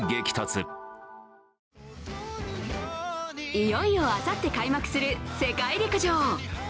いよいよあさって開幕する世界陸上。